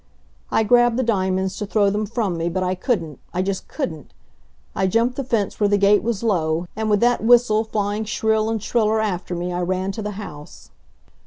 I grabbed the diamonds to throw them from me, but I couldn't I just couldn't! I jumped the fence where the gate was low, and with that whistle flying shrill and shriller after me I ran to the house.